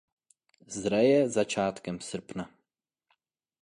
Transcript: Zraje začátkem srpna.